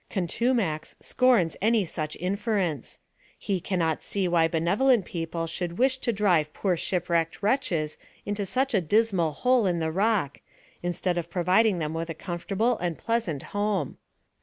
Contumax scorns any such inference ; ho ctnnot see why benevolent people should wish to drive poor slup wrecked wretches into such a dismal hole in the rock, INTROI trCI ION. 2/ mslead o( providing ihern with a comfortable and pleas ant home.